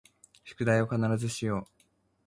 宿題を必ずしよう